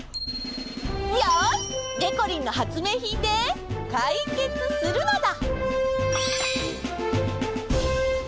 よしでこりんの発明品でかいけつするのだ。